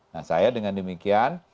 nah saya dengan demikian